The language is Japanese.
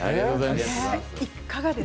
いかがですか？